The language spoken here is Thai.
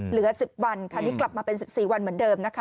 เหลือ๑๐วันค่ะนี่กลับมาเป็น๑๔วันเหมือนเดิมนะคะ